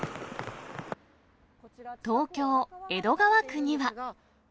東京・江戸川区には。